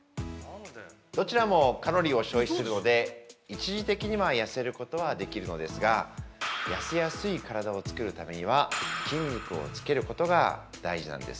どちらもカロリーを消費するので一時的には痩せることはできるのですが、痩せやすい体を作るためには筋肉をつけることが大事なんです。